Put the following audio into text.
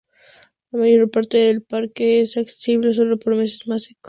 La mayor parte del parque es accesible solo en los meses más secos.